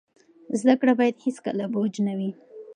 زده کړه باید هیڅکله بوج نه وي.